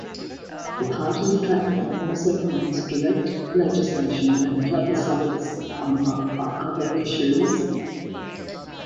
The party's platform also promised direct legislation and plebiscites on other issues.